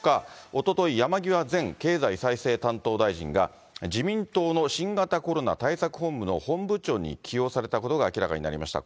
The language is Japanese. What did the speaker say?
おととい、山際前経済再生担当大臣が自民党の新型コロナ対策本部の本部長に起用されたことが明らかになりました。